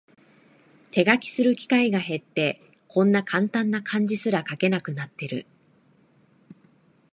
手書きする機会が減って、こんなカンタンな漢字すら書けなくなってる